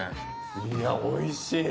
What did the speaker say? いや、おいしい。